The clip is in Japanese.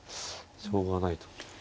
しょうがないと。